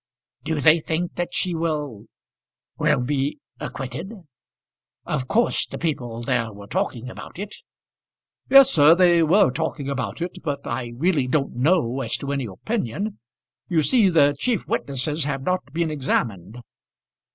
"Do they think that she will will be acquitted? Of course the people there were talking about it?" "Yes, sir, they were talking about it. But I really don't know as to any opinion. You see, the chief witnesses have not been examined."